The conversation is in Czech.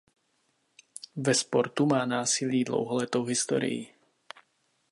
Ve sportu má násilí dlouholetou historii.